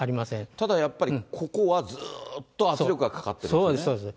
ただやっぱり、ここはずっと圧力がかかってるんですよね。